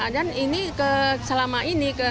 dan ini selama ini